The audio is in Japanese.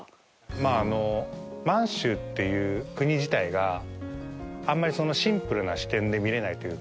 まああの満州っていう国自体があんまりシンプルな視点で見れないというか。